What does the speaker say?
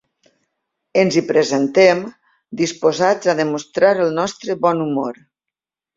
Ens hi presentem, disposats a demostrar el nostre bon humor.